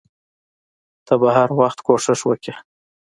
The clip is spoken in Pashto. ته به هر وخت کوښښ وکړې.